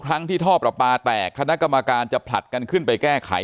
ทั้งที่ท่อประปาแตกคณะกรรมการจะผลัดกันขึ้นไปแก้ไข